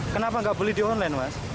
kenapa nggak beli di online mas